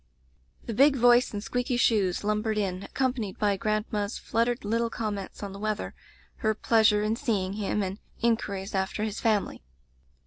"The big voice and squeaky shoes lum bered in, accompanied by grandma's flut tered little comments on the weather, her pleasure in seeing him, and inquiries after his family.